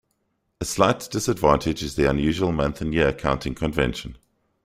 A slight disadvantage is the unusual month and year counting convention.